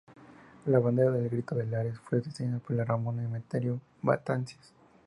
La bandera del Grito de Lares fue diseñada por Ramón Emeterio Betances.